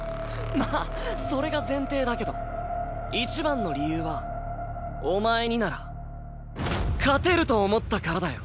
まあそれが前提だけど一番の理由はお前になら勝てると思ったからだよ